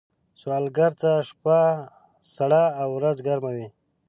سوالګر ته شپه سړه او ورځ ګرمه وي